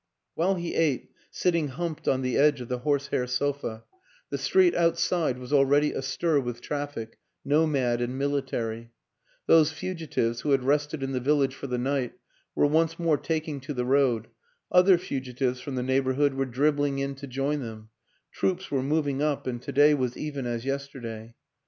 While he ate, sitting humped on the edge of the horsehair sofa, the street outside was already astir with traffic, nomad and military; those fugitives who had rested in the village for the night were once more taking to the road, other fugitives from the neighborhood were dribbling in to join them, troops were moving up and to day was even as yesterday.